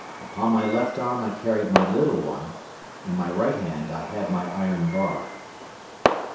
Upon my left arm I carried my little one, in my right hand I had my iron bar.